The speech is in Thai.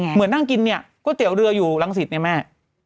นั่งกินเนี่ยก๋วยเตี๋ยวเรืออยู่รังสิตเนี่ยแม่